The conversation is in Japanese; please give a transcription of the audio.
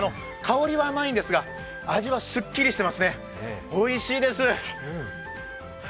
香りは甘いんですが味はスッキリしてますね、おいしいです。